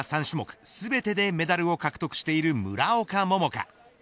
３種目全てでメダルを獲得している村岡桃佳。